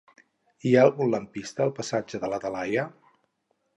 Hi ha algun lampista al passatge de la Talaia?